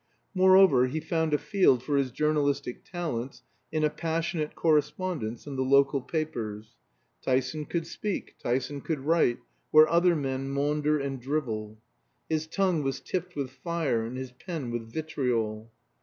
Moreover, he found a field for his journalistic talents in a passionate correspondence in the local papers. Tyson could speak, Tyson could write, where other men maunder and drivel. His tongue was tipped with fire and his pen with vitriol.